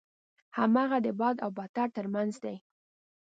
هماغه د بد او بدتر ترمنځ دی.